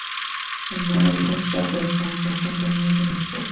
In Mannerism, strapwork forms often terminated in scrolls.